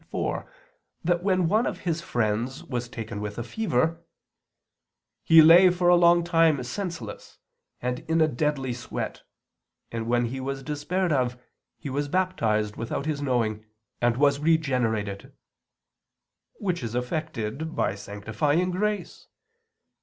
iv) that when one of his friends was taken with a fever, "he lay for a long time senseless and in a deadly sweat, and when he was despaired of, he was baptized without his knowing, and was regenerated"; which is effected by sanctifying grace.